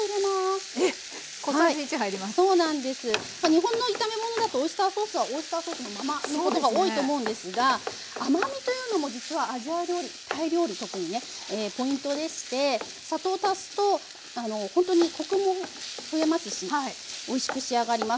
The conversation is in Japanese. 日本の炒め物だとオイスターソースはオイスターソースのままということが多いと思うんですが甘みというのも実はアジア料理タイ料理特にねポイントでして砂糖足すとほんとにコクも増えますしおいしく仕上がります。